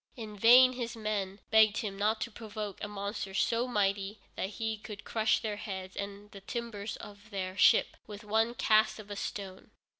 In vain his men begged him not to provoke a monster so mighty that he could crush their heads and the timbers of their ship with one cast of a stone.